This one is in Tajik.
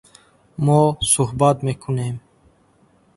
Мо суҳбат мекунем.